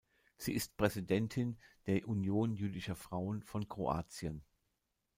Sie ist Präsidentin der Union Jüdischer Frauen von Kroatien.